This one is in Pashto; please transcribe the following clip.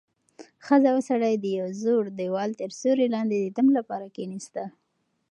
ښځه او سړی د یوې زړې دېوال تر سیوري لاندې د دم لپاره کېناستل.